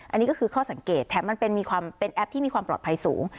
อันนี้ก็คือข้อสังเกตแถมมันเป็นมีความเป็นแอปที่มีความปลอดภัยสูง